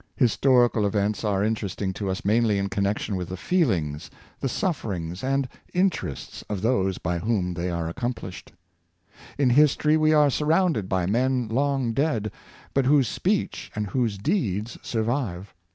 Historical events are interesting to us mainly in connection with the feelings, the sufferings, and interests of those by whom they are accomplished. In history we are surrounded by men long dead, but whose speech and whose deeds sur vive.